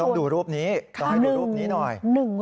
คุณต้องดูรูปนี้หน่อย